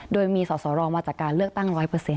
โดยมีสอสอรอมาจากการเลือกตั้ง๑๐๐